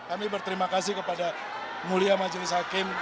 kami berterima kasih kepada mulia majelis hakim